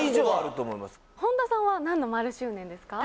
本田さんは何の○周年ですか？